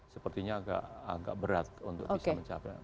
sepertinya agak berat untuk bisa mencapai